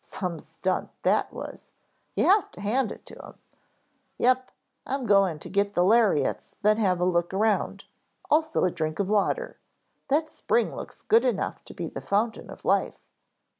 Some stunt that was, you have to hand it to him " "Yep. I'm going to get the lariats then have a look around; also a drink of water. That spring looks good enough to be the fountain of life.